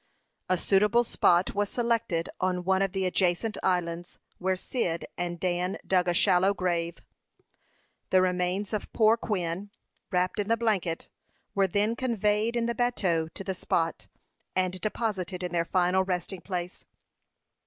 A suitable spot was selected on one of the adjacent islands, where Cyd and Dan dug a shallow grave. The remains of poor Quin, wrapped in the blanket, were then conveyed in the bateau to the spot, and deposited in their final resting place.